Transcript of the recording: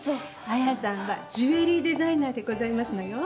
綾さんはジュエリーデザイナーでございますのよ。